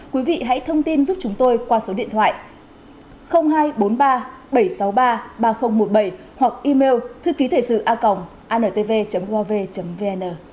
quý vị hãy thông tin giúp chúng tôi qua số điện thoại hai trăm bốn mươi ba bảy trăm sáu mươi ba ba nghìn một mươi bảy hoặc email thư ký thể sự a ntv gov vn